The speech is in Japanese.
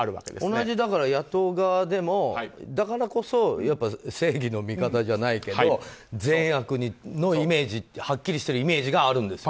同じ野党側でも、だからこそ正義の味方じゃないけど善悪がはっきりしてるイメージがあるんですよね。